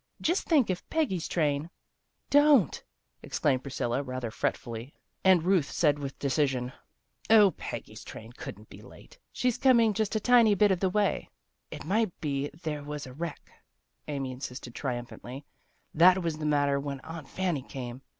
Just think if Peggy's train "" Don't! " exclaimed Priscilla rather fret fully, and Ruth said with decision, " O Peggy's train couldn't be late, she's coming such a tiny bit of a way." " It might be if there was a wreck," Amy insisted triumphantly. " That was the matter when Aunt Fanny came.